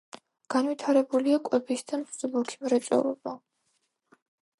განვითარებულია კვების და მსუბუქი მრეწველობა.